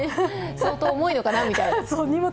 相当思いのかなみたいな。